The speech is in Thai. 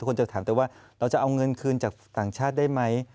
คนจะถามแต่ว่าเราจะเอาเงินคืนจากต่างชาติได้ไหม